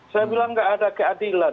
saya bilang nggak ada keadilan